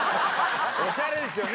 おしゃれですよね。